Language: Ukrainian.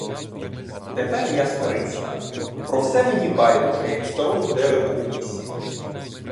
Тепер я старий став, про все мені байдуже, як старому дереву в лісі.